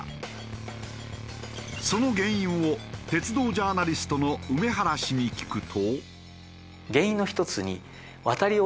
その原因を鉄道ジャーナリストの梅原氏に聞くと。